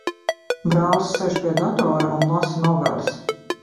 Brālis sēž pie datora un lasa noveles.